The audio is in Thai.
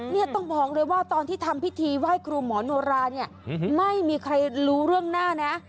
เนี่ยต้องบอกเลยว่าตอนที่ทำพิธีไหว้ครูหมอโนราเนี่ยไม่มีใครรู้เรื่องหน้านะ